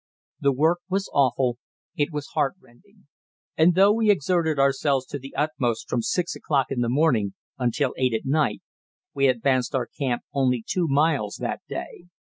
The work was awful, it was heartrending; and though we exerted ourselves to the utmost from six o'clock in the morning until eight at night, we advanced our camp only two miles that day.